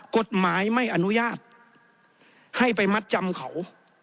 กฎหมายไม่อนุญาตให้ไปมัดจำเขา